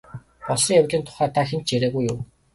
Болсон явдлын тухай та хэнд ч яриагүй юу?